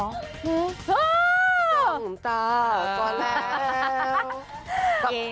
จ้องขุมตา